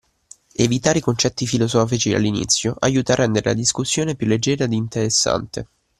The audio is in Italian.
Evitare i concetti filosofici all’inizio aiuta a rendere la discussione più leggera ed interessante